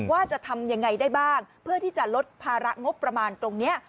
ว่าจะทำยังไงได้บ้างเพื่อที่จะลดภาระงบประมาณตรงนี้